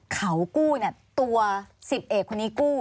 เขากู้ตัว๑๐เอกคนนี้กู้